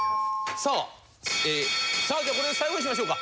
さあじゃあこれで最後にしましょうか。